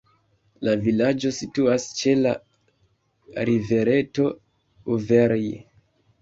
La vilaĝo situas ĉe la rivereto "Uverj".